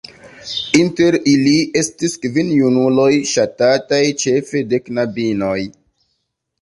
Inter ili estis kvin junuloj ŝatataj ĉefe de knabinoj.